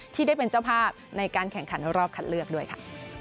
ที่ได้เป็นเจ้าภาพในการแข่งขันรอบคัดเลือกด้วยค่ะ